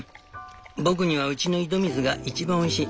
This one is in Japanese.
僕にはうちの井戸水が一番おいしい。